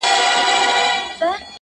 تبۍ را واخلی مخ را تورکړۍ .!